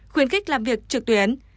khuyến khích làm việc trực tuyến